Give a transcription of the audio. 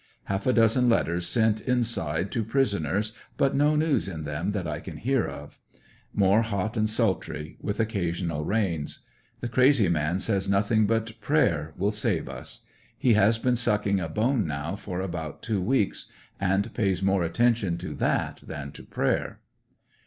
Half a dozen letters sent inside to prison ers, but no news in them that I can hear of. More hot aud sultry, with occasional rains. The crazy man says nothing but * 'prayer" will save us He has been sucking a bone now for about two weeks and pays more attention to that than to prayer.